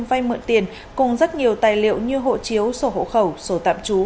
vay mượn tiền cùng rất nhiều tài liệu như hộ chiếu sổ hộ khẩu sổ tạm trú